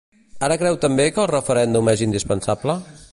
Ara creu també que el referèndum és indispensable?